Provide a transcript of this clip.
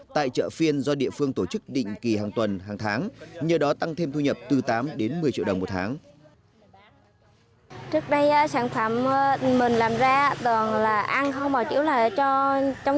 tại chợ phiên do địa phương tổ chức định kỳ hàng tuần hàng tháng nhờ đó tăng thêm thu nhập từ tám đến một mươi triệu đồng một tháng